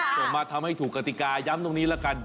ส่งมาทำให้ถูกกติกาย้ำตรงนี้ละกัน